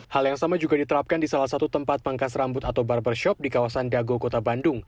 hal yang sama juga diterapkan di salah satu tempat pangkas rambut atau barbershop di kawasan dago kota bandung